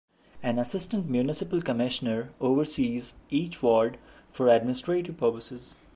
An assistant municipal commissioner oversees each ward for administrative purposes.